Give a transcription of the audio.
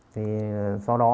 thì sau đó